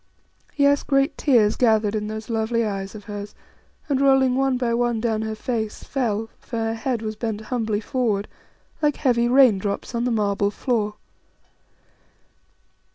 Yes, great tears gathered in those lovely eyes of hers and, rolling one by one down her face, fell for her head was bent humbly forward like heavy raindrops on the marble floor.